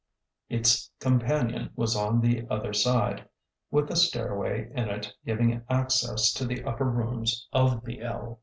'' Its companion was on the other side, with a stairway in it giving access to the upper rooms of the ell.